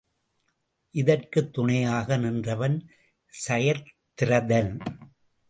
இதற்குத் துணையாக நின்றவன் சயத்திரதன்.